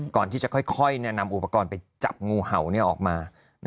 ก่อนที่จะค่อยนำอุปกรณ์ไปจับงูเห่าออกมา